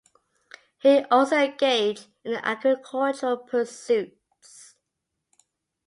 He also engaged in agricultural pursuits.